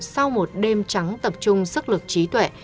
sau một đêm trắng tập trung sức lực trí tuệ